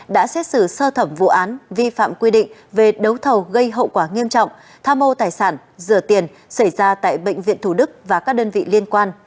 đã xét xử sơ thẩm vụ án vi phạm quy định về đấu thầu gây hậu quả nghiêm trọng tham mô tài sản rửa tiền xảy ra tại bệnh viện thủ đức và các đơn vị liên quan